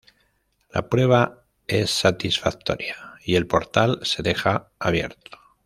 La prueba es satisfactoria, y el portal se deja abierto.